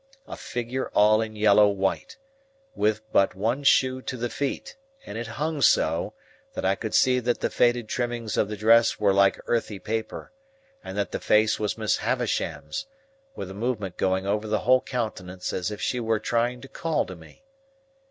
A figure all in yellow white, with but one shoe to the feet; and it hung so, that I could see that the faded trimmings of the dress were like earthy paper, and that the face was Miss Havisham's, with a movement going over the whole countenance as if she were trying to call to me.